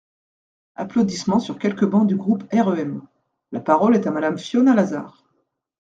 (Applaudissements sur quelques bancs du groupe REM.) La parole est à Madame Fiona Lazaar.